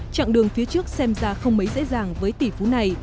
trạng đường phía trước xem ra không mấy dễ dàng với tỷ phú này